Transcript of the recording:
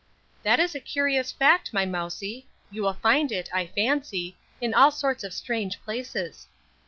"That is a curious fact, my mousie; you will find it, I fancy, in all sorts of strange places.